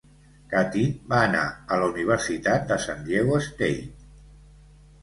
Kathy va anar a la Universitat de San Diego State.